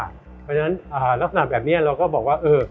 เพราะฉะนั้นลักษณะแบบนี้เราก็บอกว่า